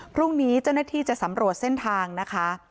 พรุ่งนี้เจ้าหน้าที่จะสำรวจเส้นทางนะคะ